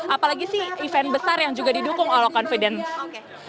apalagi sih event besar yang juga didukung oleh confidence